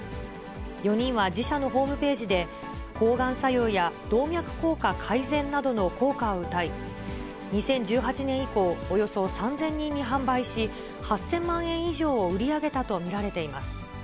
４人は自社のホームページで、抗がん作用や動脈硬化改善などの効果をうたい、２０１８年以降、およそ３０００人に販売し、８０００万円以上を売り上げたと見られています。